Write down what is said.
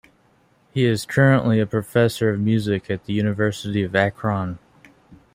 He is currently a Professor of Music at the University of Akron.